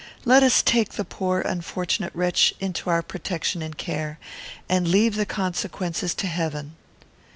Let us take the poor, unfortunate wretch into our protection and care, and leave the consequences to Heaven."